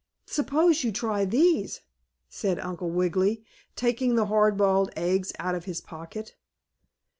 "Suppose you try these," said Uncle Wiggily, taking the hard boiled eggs out of his pocket.